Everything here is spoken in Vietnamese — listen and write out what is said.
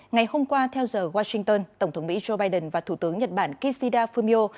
ngày hôm qua theo giờ washington tổng thống mỹ joe biden và thủ tướng nhật bản kishida fumio